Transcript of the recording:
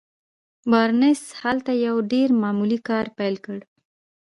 بارنس هلته يو ډېر معمولي کار پيل کړ.